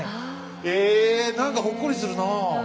へえ何かほっこりするなあ。